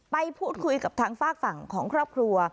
ไปพูดคุยกับทางฝากฝั่งของครอบครัว